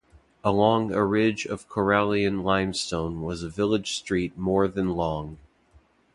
Along a ridge of Corallian Limestone was a village street more than long.